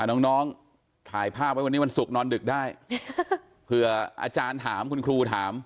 น้องถ่ายภาพไว้วันนี้วันศุกร์นอนดึกได้เผื่ออาจารย์ถามคุณครูถาม